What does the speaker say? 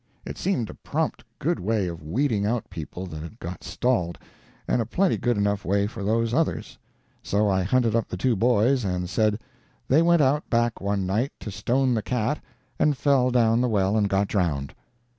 It seemed a prompt good way of weeding out people that had got stalled, and a plenty good enough way for those others; so I hunted up the two boys and said "they went out back one night to stone the cat and fell down the well and got drowned."